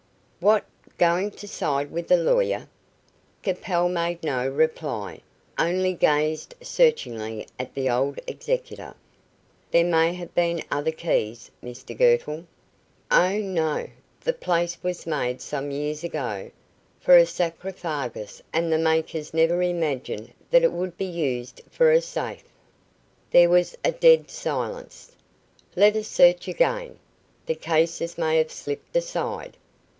"What, going to side with the lawyer?" Capel made no reply, only gazed searchingly at the old executor. "There may have been other keys, Mr Girtle." "Oh, no. The place was made some years ago, for a sarcophagus, and the makers never imagined that it would be used for a safe." There was a dead silence. "Let us search again. The cases may have slipped aside."